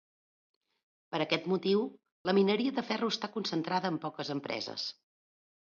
Per aquest motiu la mineria de ferro està concentrada en poques empreses.